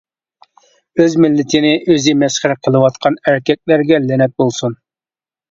ئۆز مىللىتىنى ئۆزى مەسخىرە قىلىۋاتقان ئەركەكلەرگە لەنەت بولسۇن!